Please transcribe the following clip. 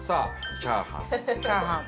チャーハン。